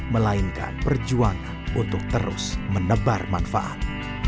melainkan perjuangan untuk terus menebar manfaat